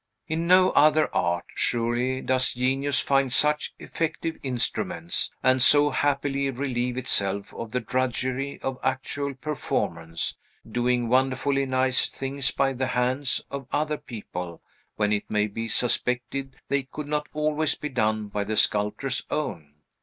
In no other art, surely, does genius find such effective instruments, and so happily relieve itself of the drudgery, of actual performance; doing wonderfully nice things by the hands of other people, when it may be suspected they could not always be done by the sculptor's own.